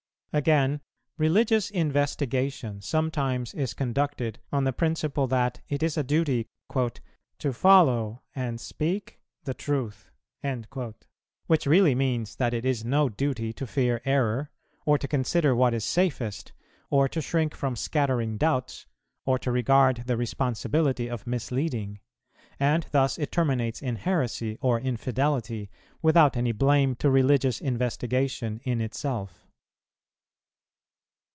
Again, religious investigation sometimes is conducted on the principle that it is a duty "to follow and speak the truth," which really means that it is no duty to fear error, or to consider what is safest, or to shrink from scattering doubts, or to regard the responsibility of misleading; and thus it terminates in heresy or infidelity, without any blame to religious investigation in itself.